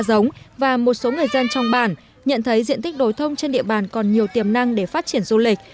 giống và một số người dân trong bản nhận thấy diện tích đồi thông trên địa bàn còn nhiều tiềm năng để phát triển du lịch